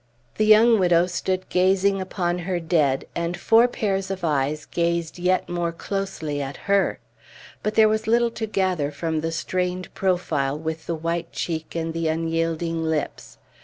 The young widow stood gazing upon her dead, and four pairs of eyes gazed yet more closely at her. But there was little to gather from the strained profile with the white cheek and the unyielding lips.